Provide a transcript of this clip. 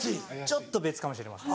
ちょっと別かもしれません。